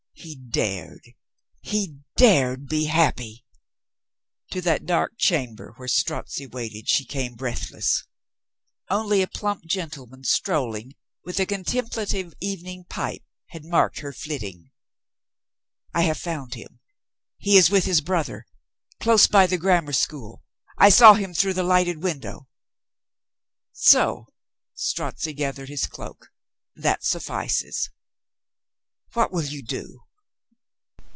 He dared — he dared be happy ! To that dark chamber where Strozzi waited she came breathless. Only a plump gentleman strolling 450 LUCINCA GOES OUT TO THE NIGHT 451 with a contemplative evening pipe had marked her flitting. "I have found him. He is with his brother. Close by the Grammar School. I saw him through the lighted window." "So." Strozzi gathered his cloak. "That suf fices." "What will you do?"